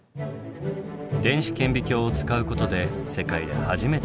電子顕微鏡を使うことで世界で初めて観測できたもの。